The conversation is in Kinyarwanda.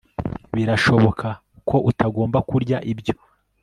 birashoboka ko utagomba kurya ibyo